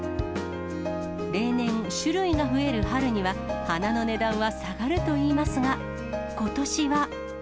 例年、種類が増える春には、花の値段は下がるといいますが、ことしは。